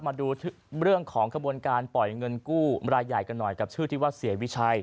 มาดูเรื่องของขบวนการปล่อยเงินกู้รายใหญ่กันหน่อยกับชื่อที่ว่าเสียวิชัย